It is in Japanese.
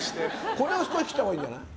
これを切ったほうがいいんじゃない？